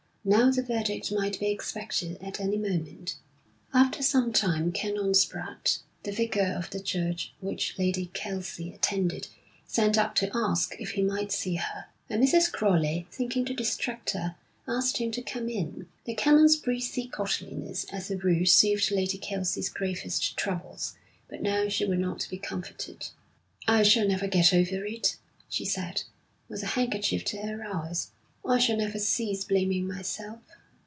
Now the verdict might be expected at any moment. After some time Canon Spratte, the vicar of the church which Lady Kelsey attended, sent up to ask if he might see her; and Mrs. Crowley, thinking to distract her, asked him to come in. The Canon's breezy courtliness as a rule soothed Lady Kelsey's gravest troubles, but now she would not be comforted. 'I shall never get over it,' she said, with a handkerchief to her eyes. 'I shall never cease blaming myself.